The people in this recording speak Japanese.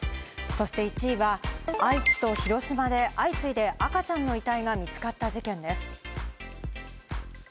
そして１位は愛知と広島で相次いで赤ちゃんの遺体が見つかった事件です。